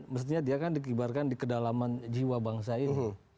mestinya dia akan diibarkan di kedalaman jiwa bangsa ini